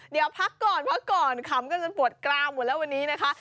เดี๋ยวพักก่อนขำก็จะปวดกล้ามหมดแล้ววันนี้นะคะ